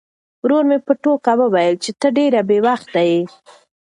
ورور مې په ټوکه وویل چې ته ډېر بې وخته یې.